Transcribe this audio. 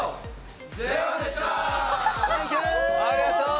ありがとう！